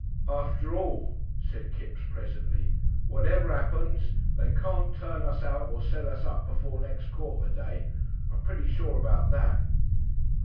"After all," said Kipps, presently, "whatever 'appens, they can't turn us out or sell us up before nex' quarter day. I'm pretty sure about that."